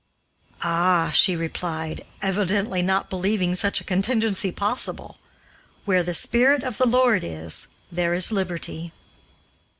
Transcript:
"Ah," she replied, evidently not believing such a contingency possible, "where the spirit of the Lord is, there is liberty."